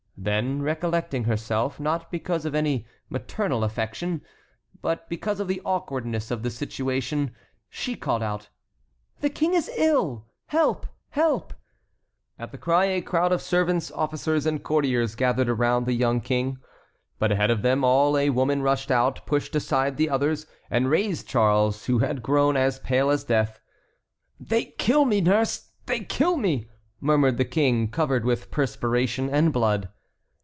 Then recollecting herself, not because of any maternal affection, but because of the awkwardness of the situation, she called out: "The King is ill! Help! help!" At the cry a crowd of servants, officers, and courtiers gathered around the young King. But ahead of them all a woman rushed out, pushed aside the others, and raised Charles, who had grown as pale as death. "They kill me, nurse, they kill me," murmured the King, covered with perspiration and blood.